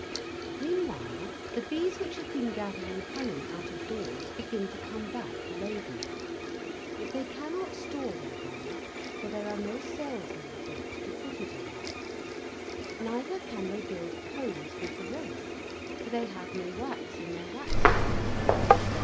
Meanwhile the bees which have been gathering honey out of doors begin to come back laden. But they cannot store their honey, for there are no cells made yet to put it in; neither can they build combs with the rest, for they have no wax in their wax pockets.